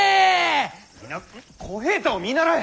皆小平太を見習え。